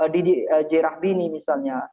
didi jayarabini misalnya